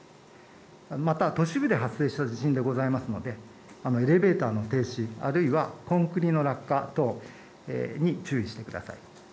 また都市部で発生した地震でございますのでエレベーターの停止、あるいはコンクリートの落下等に注意してください。